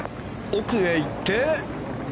奥へ行って。